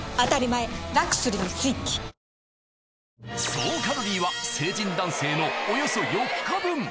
総カロリーは成人男性のおよそ４日分！